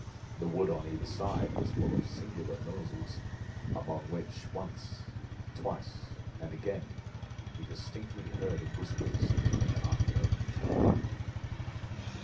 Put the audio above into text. The wood on either side was full of singular noises, among which—once, twice, and again—he distinctly heard whispers in an unknown tongue.